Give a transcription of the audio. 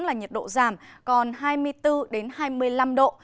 là nhiệt độ giảm còn hai mươi bốn hai mươi năm độ